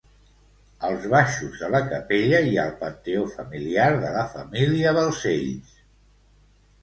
Als baixos de la capella hi ha el panteó familiar de la família Balcells.